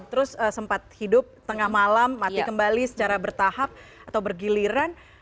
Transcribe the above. terus sempat hidup tengah malam mati kembali secara bertahap atau bergiliran